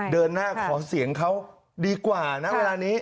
เดินหน้าขอเสียงเขาดีกว่านะเวลานี้